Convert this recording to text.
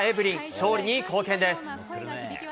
勝利に貢献です！